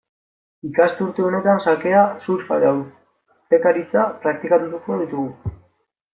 Ikasturte honetan xakea, surfa eta urpekaritza praktikatuko ditugu.